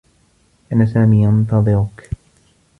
كان سامي ينتظرك.